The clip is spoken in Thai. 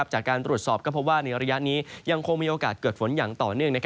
จากการตรวจสอบก็พบว่าในระยะนี้ยังคงมีโอกาสเกิดฝนอย่างต่อเนื่อง